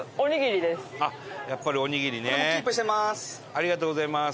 ありがとうございます。